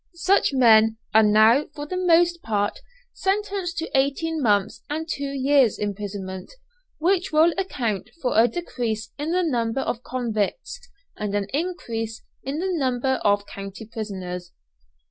Such men are now for the most part sentenced to eighteen months and two years' imprisonment, which will account for a decrease in the number of convicts and an increase in the number of county prisoners.